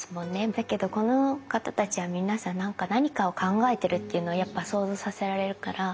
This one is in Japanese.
だけどこの方たちは皆さん何かを考えてるっていうのをやっぱ想像させられるから。